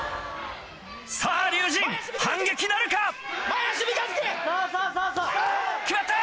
さぁ龍心反撃なるか⁉決まった！